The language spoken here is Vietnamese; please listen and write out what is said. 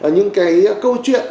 những cái câu chuyện